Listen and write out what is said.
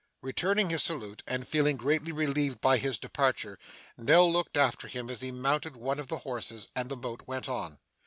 Returning his salute and feeling greatly relieved by his departure, Nell looked after him as he mounted one of the horses, and the boat went on.